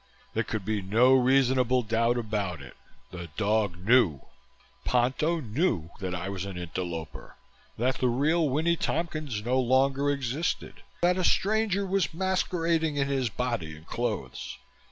There could be no reasonable doubt about it the dog knew! Ponto knew that I was an interloper, that the real Winnie Tompkins no longer existed, that a stranger was masquerading in his body and clothes.